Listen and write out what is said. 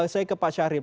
saya ke pak syahril